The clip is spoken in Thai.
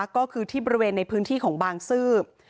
ก็คือที่บริเวณในพื้นที่ของบางซื่อ